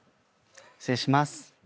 失礼します。